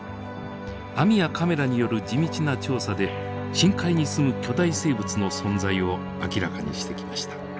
網やカメラによる地道な調査で深海に住む巨大生物の存在を明らかにしてきました。